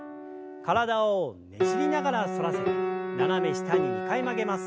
体をねじりながら反らせて斜め下に２回曲げます。